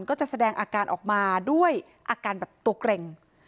ก็จะแสดงอาการออกมาด้วยอาการแบบตัวเกร็ง